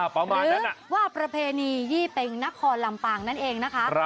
หรือว่าประเพณียี่เป็งนครลำปางนั่นเองนะคะ